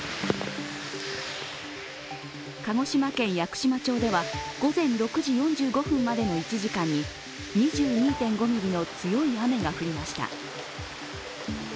鹿児島県屋久島町では午前６時４５分までの１時間に２２．５ミリの強い雨が降りました。